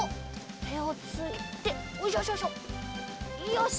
てをついてよいしょしょしょよし！